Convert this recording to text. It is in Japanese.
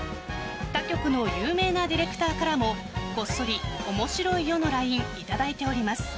他局の有名なディレクターからもこっそりおもしろいよのＬＩＮＥいただいております。